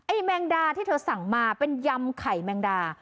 แมงดาที่เธอสั่งมาเป็นยำไข่แมงดา